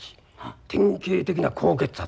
典型的な高血圧や。